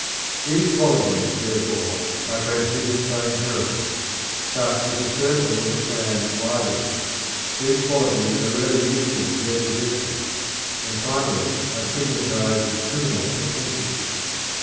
These qualities, therefore, are transmitted by inheritance. But as the circle of the clan widens, these qualities are rarely useful to their possessors, and finally are stigmatised as criminal propensities.